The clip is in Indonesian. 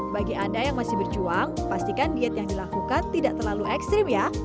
bagi anda yang masih berjuang pastikan diet yang dilakukan tidak terlalu ekstrim ya